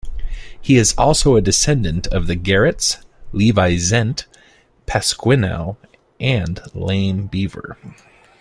He is also a descendant of the Garretts, Levi Zendt, Pasquinel, and Lame Beaver.